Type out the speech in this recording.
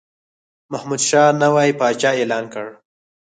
محمودشاه نوی پاچا اعلان کړ.